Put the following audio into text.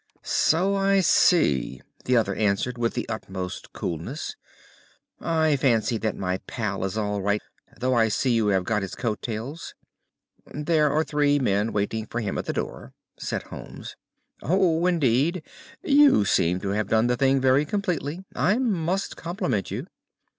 "So I see," the other answered with the utmost coolness. "I fancy that my pal is all right, though I see you have got his coat tails." "There are three men waiting for him at the door," said Holmes. "Oh, indeed! You seem to have done the thing very completely. I must compliment you."